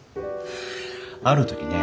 ある時ね